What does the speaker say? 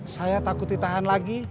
saya takut ditahan lagi